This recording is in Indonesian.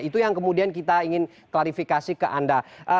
itu yang kemudian kita ingin klarifikasi ke anda